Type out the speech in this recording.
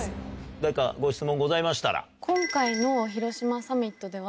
誰かご質問ございましたら。